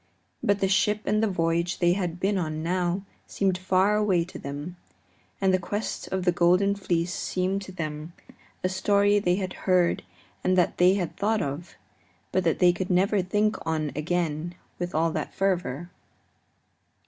But the ship and the voyage they had been on now seemed far away to them, and the Quest of the Golden Fleece seemed to them a story they had heard and that they had thought of, but that they could never think on again with all that fervor.